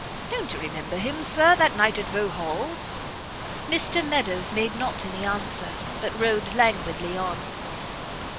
Don't you remember him, Sir, that night at Vauxhall?" Mr Meadows made not any answer, but rode languidly on.